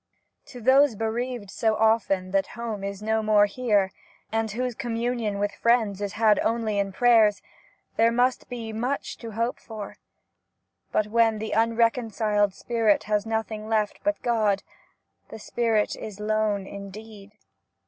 To those bereaved so often that home is no more here, and whose communion with friends is had only in prayers, there must be much to hope for, but when the unreconciled spirit has nothing left but God, that spirit is lone indeed.